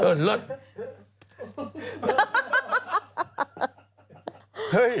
เลือดก็เลยร้อนแรง